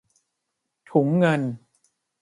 ถุงเงิน